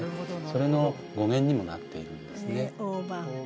それの語源にもなっているんですね